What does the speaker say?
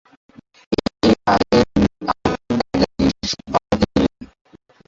এর আগে তিনি "আউটলুক" ম্যাগাজিনের সম্পাদক ছিলেন।